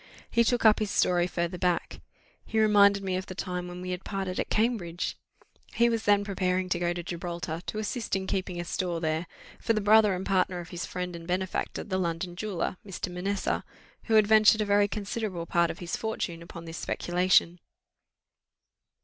He took up his story farther back. He reminded me of the time when we had parted at Cambridge; he was then preparing to go to Gibraltar, to assist in keeping a store there, for the brother and partner of his friend and benefactor, the London jeweller, Mr. Manessa, who had ventured a very considerable part of his fortune upon this speculation.